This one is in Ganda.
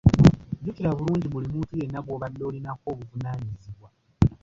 Jukira bulungi buli muntu yenna gw'obadde olinako obuvunaanyizibwa.